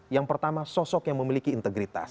yang pertama sosok yang memiliki integritas